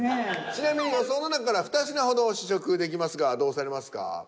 ちなみに予想の中から２品ほど試食できますがどうされますか？